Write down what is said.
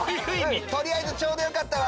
とりあえずちょうどよかったわ。